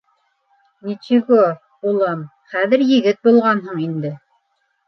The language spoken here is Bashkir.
— Ничего, улым, хәҙер егет булғанһың инде.